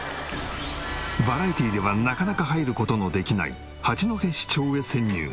バラエティではなかなか入る事のできない八戸市庁へ潜入。